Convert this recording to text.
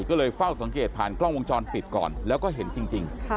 ก็เลยเฝ้าสังเกตผ่านกล้องวงจรปิดก่อนแล้วก็เห็นจริง